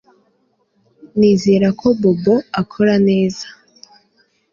Nizera ko Bobo akora neza